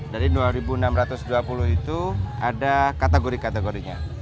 jadi dua enam ratus dua puluh itu ada kategori kategorinya